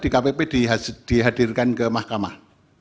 karena dkpp dihadirkan ke mahkamah